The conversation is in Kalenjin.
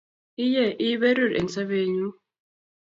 Iye ii berur eng sapenyu